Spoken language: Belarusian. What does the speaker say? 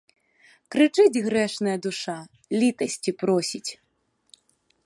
Крычыць грэшная душа, літасці просіць.